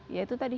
ya itu tadi